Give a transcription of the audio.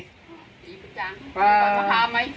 ถอยมาพาไหม